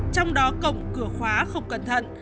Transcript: trong đó cổng cửa khóa không cẩn thận